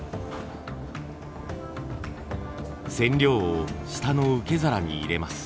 染料を下の受け皿に入れます。